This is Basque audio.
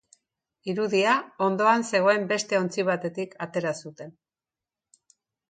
Irudia, ondoan zegoen beste ontzi batetik atera zuten.